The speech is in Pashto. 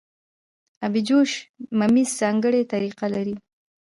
ابجوش ممیز ځانګړې طریقه لري.